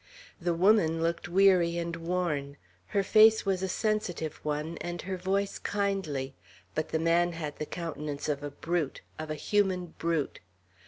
The woman looked weary and worn. Her face was a sensitive one, and her voice kindly; but the man had the countenance of a brute, of a human brute.